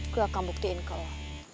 gue akan buktiin ke allah